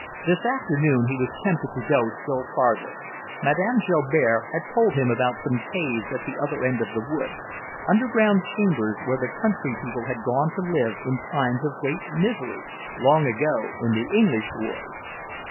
This afternoon he was tempted to go still farther. Madame Joubert had told him about some caves at the other end of the wood, underground chambers where the country people had gone to live in times of great misery, long ago, in the English wars.